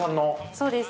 そうです。